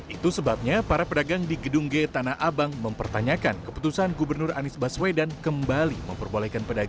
itu sebabnya para pedagang di gedung g tanah abang mempertanyakan keputusan gubernur anies baswedan kembali memperbolehkan pedagang